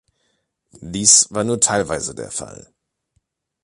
Dies war nur teilweise der Fall.